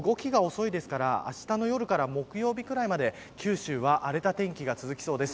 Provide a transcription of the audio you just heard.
しかも動きが遅いですからあしたの夜から木曜日ぐらいまで九州は荒れた天気が続きそうです。